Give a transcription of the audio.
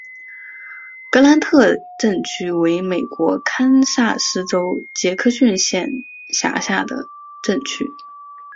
格兰特镇区为美国堪萨斯州杰克逊县辖下的镇区。